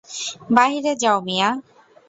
বাহিরে যাও মিয়া।